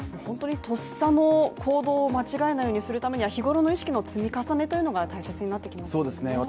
とっさの行動を間違えないようにするためには日頃の意識の積み重ねというのが大切になってきますね。